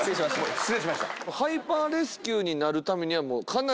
失礼しました。